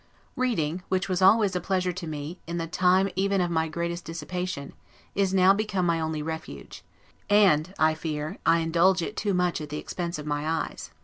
Reading, which was always a pleasure to me, in the time even of my greatest dissipation, is now become my only refuge; and, I fear, I indulge it too much at the expense of my eyes.